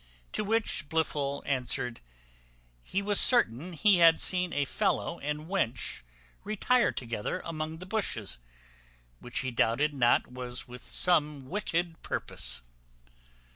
To which Blifil answered, "He was certain he had seen a fellow and wench retire together among the bushes, which he doubted not was with some wicked purpose."